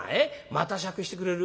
また酌してくれる？